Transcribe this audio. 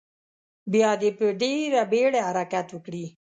بیا دې په ډیره بیړه حرکت وکړي.